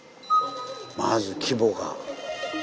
まず規模が。